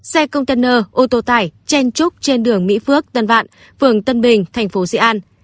xe container ô tô tải chen trúc trên đường mỹ phước tân vạn phường tân bình thành phố sĩ an